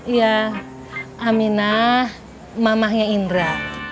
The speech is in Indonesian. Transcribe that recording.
ya aminah mamahnya indra